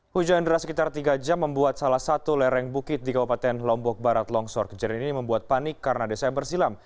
hujan deras sekitar tiga jam membuat salah satu lereng bukit di kabupaten lombok barat longsor kejadian ini membuat panik karena desa bersilam